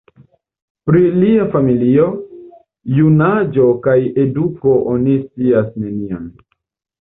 Pri lia familio, junaĝo kaj eduko oni scias nenion.